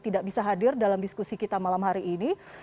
tidak bisa hadir dalam diskusi kita malam hari ini